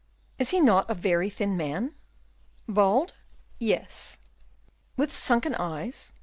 "Is he not a very thin man?" "Bald?" "Yes." "With sunken eyes?"